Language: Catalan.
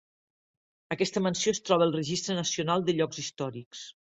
Aquesta mansió es troba al registre nacional de llocs històrics.